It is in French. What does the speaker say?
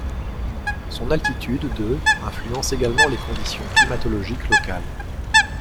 Son altitude de influence également les conditions climatologiques locales.